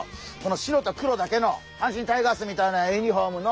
白と黒だけの阪神タイガースみたいなユニフォームの。